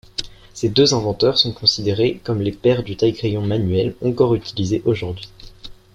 Ces deux inventeurs sont considérés comme les pères du taille-crayon manuel encore utilisé aujourd'hui.